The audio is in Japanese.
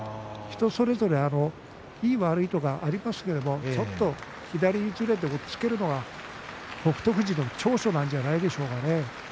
人それぞれいい、悪いはありますけどもちょっと左にずれても押っつけるのが北勝富士の長所なんでしょうかね。